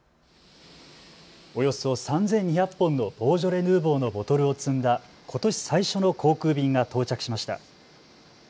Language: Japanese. およそ３２００本のボージョレ・ヌーボーのボトルを積んだ、ことし最初の航空便が到着しました。